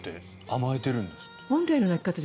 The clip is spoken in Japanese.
甘えているんですって。